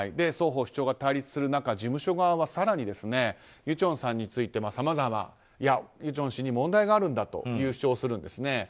双方、主張が対立する中事務所側は更にユチョンさんについてさまざま、ユチョン氏に問題があるという主張をするんですね。